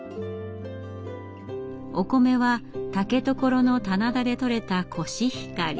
お米は竹所の棚田でとれたコシヒカリ。